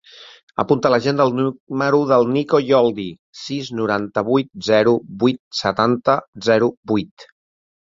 Apunta a l'agenda el número del Nico Yoldi: sis, noranta-vuit, zero, vuit, setanta, zero, vuit.